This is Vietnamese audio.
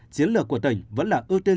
chiến lược của tỉnh vẫn là ưu tiên